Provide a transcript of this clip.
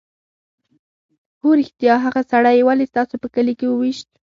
_هو رښتيا! هغه سړی يې ولې ستاسو په کلي کې وويشت؟